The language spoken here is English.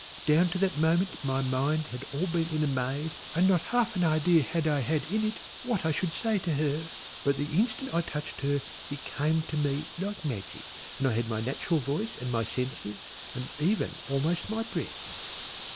Down to that moment my mind had been all in a maze and not half an idea had I had in it what I should say to her, but the instant I touched her it came to me like magic and I had my natural voice and my senses and even almost my breath.